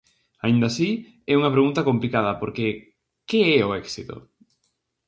Aínda así, é unha pregunta complicada porque, que é o éxito?